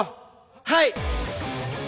はい！